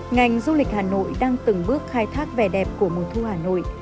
ngành du lịch hà nội đang từng bước khai thác vẻ đẹp của mùa thu hà nội